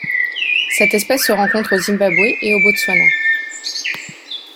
Cette espèce se rencontre au Zimbabwe et au Botswana.